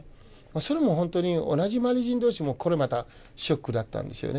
それもほんとに同じマリ人同士もこれまたショックだったんですよね。